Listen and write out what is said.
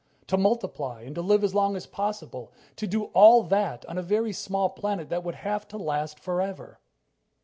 to multiply and to live as long as possible to do all that on a very small planet that would have to last forever.